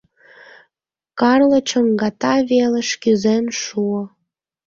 Карло чоҥгата велыш кӱзен шуо.